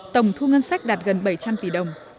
tổng thu ngân sách đạt gần bảy trăm linh tỷ đồng